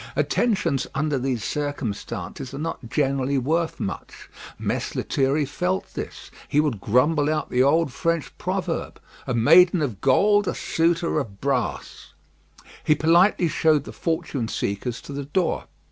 Attentions under these circumstances are not generally worth much. Mess Lethierry felt this. He would grumble out the old French proverb, "A maiden of gold, a suitor of brass." He politely showed the fortune seekers to the door.